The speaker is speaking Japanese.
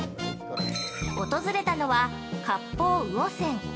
訪れたのは「割烹魚仙」。